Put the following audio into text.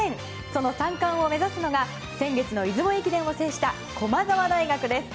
その３冠を目指すのが先月の出雲駅伝を制した駒澤大学です。